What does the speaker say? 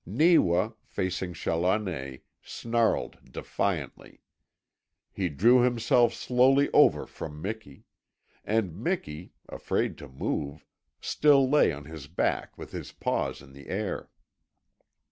Neewa, facing Challoner, snarled defiantly. He drew himself slowly from over Miki. And Miki, afraid to move, still lay on his back with his paws in the air.